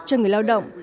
cho người lao động